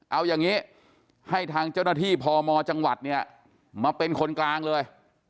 เอาอย่างนี้ให้ทางเจ้าหน้าที่พมจังหวัดเนี่ยมาเป็นคนกลางเลย